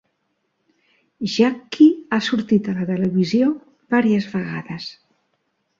Jakki ha sortit a la televisió vàries vegades.